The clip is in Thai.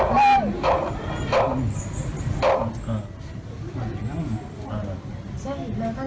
อาหารอาหารอาหาร